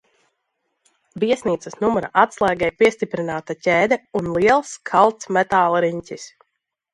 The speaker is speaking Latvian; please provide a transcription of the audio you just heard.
Viesnīcas numura atslēgai piestiprināta ķēde un liels, kalts metāla riņķis.